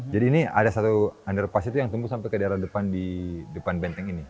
jadi ini ada satu underpass itu yang tembus sampai ke daerah depan benteng ini